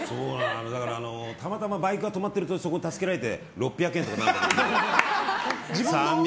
たまたまバイクが止まってるとそれに助けられて６００円とかになるんだけど。